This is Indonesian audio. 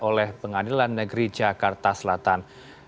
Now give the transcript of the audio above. oleh pengadilan negeri jakarta selatan